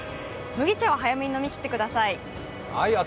麦茶は早めに飲みきってください。